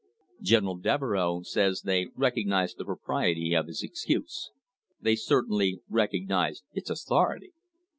General Devereux says they 'recognised the propriety" of his excuse. They certainly rec )gnised its authority.